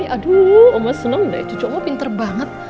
aduh oma seneng deh